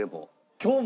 今日も？